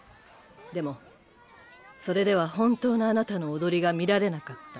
でもそれでは本当のあなたの踊りが見られなかった。